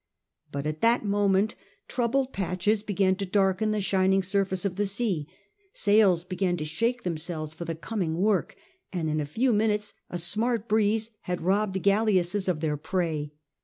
But at that moment troubled IS6 SIR FRANCIS DRAKE chap. patches began to darken the shining surface of the sea : sails began to shake themselves for the coming work ; and in a few minutes a smart breeze had robbed the galleasses of their prey.